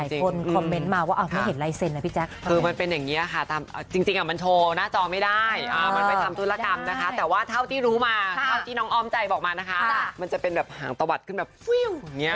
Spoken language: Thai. แต่ว่าเท่าที่รู้มาเท่าที่น้องออมใจบอกมานะคะมันจะเป็นแบบหางตวัดขึ้นแบบวิ้วอย่างนี้